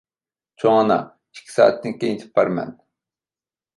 چوڭ ئانا، ئىككى سائەتتىن كېيىن يېتىپ بارىمەن.